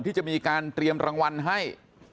ที่จะมีการเตรียมรางวัลให้